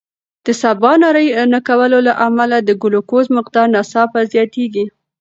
د سباناري نه کولو له امله د ګلوکوز مقدار ناڅاپه زیاتېږي.